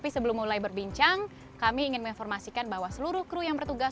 sebelum mulai berbincang kami ingin menginformasikan bahwa seluruh kru yang bertugas